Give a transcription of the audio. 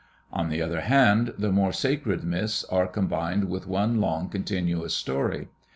On the other hand the more sacred myths are com bined into one long continuous story.